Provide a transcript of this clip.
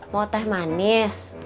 mau teh manis